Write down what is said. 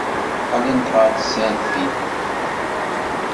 Qqlent ɣer tsertit.